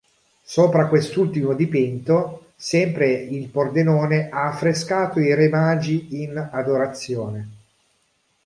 Sopra quest'ultimo dipinto, sempre il Pordenone ha affrescato i Re Magi in adorazione.